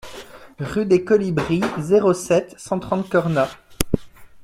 Rue des Colibris, zéro sept, cent trente Cornas